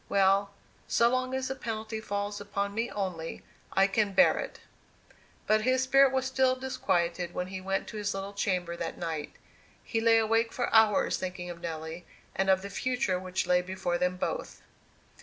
Well, so long as the penalty falls upon me only, I can bear it!" But his spirit was still disquieted when he went to his little chamber that night. He lay awake for hours thinking of Nelly, and of the future which lay before them both.